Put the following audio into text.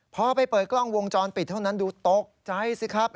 พอไปเปิดกล้องวงจรปิดเท่านั้นดูตกใจสิครับ